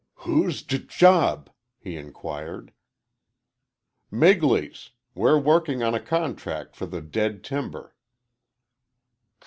"Who's j job?" he inquired. "Migley's. We're working on a contract for the dead timber."